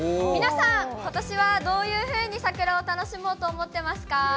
皆さん、ことしはどういうふうに桜を楽しもうと思ってますか？